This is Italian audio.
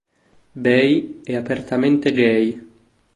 Bey è apertamente gay.